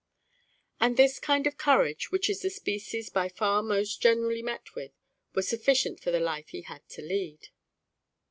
And this kind of courage, which is the species by far most generally met with, was sufficient for the life he had to lead.